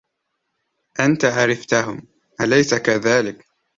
أنت عرفتهم. أليس كذلك؟